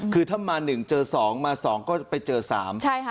คือถ้ามาหนึ่งเจอสองมาสองก็ไปเจอสามใช่ค่ะ